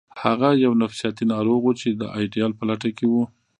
هغه یو نفسیاتي ناروغ و چې د ایډیال په لټه کې و